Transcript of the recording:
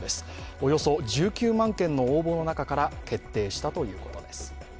およそ１９万件の応募の中から決定したということです。